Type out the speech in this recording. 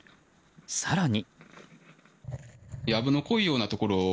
更に。